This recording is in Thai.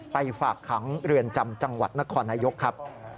ฝากขังเรือนจำจังหวัดนครนายกครับ